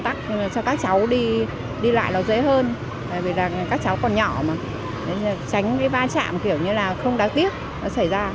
tránh cái ba chạm kiểu như là không đáng tiếc nó xảy ra